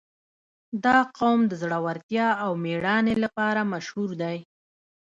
• دا قوم د زړورتیا او مېړانې لپاره مشهور دی.